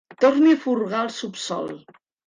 Torni a furgar el subsòl.